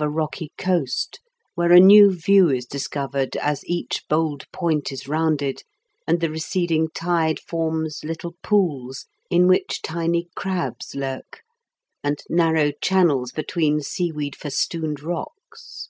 a rocky coast, where a new view is discovered as each bold point is rounded, and the receding tide forms little pools, in which tiny crabs lurk, and narrow channels between seaweed festooned rocks.